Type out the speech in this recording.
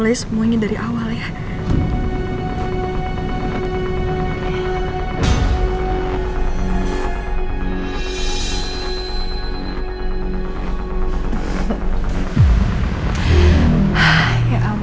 aku janji aku akan jadi istri yang lebih baik lagi buat kamu